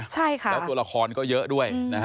ใช่ค่ะแล้วตัวละครก็เยอะด้วยนะฮะ